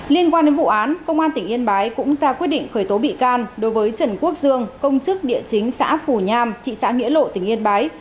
liên quan đến vụ án công an tỉnh yên bái cũng ra quyết định khởi tố bị can đối với trần quốc dương công chức địa chính xã phù nham thị xã nghĩa lộ tỉnh yên bái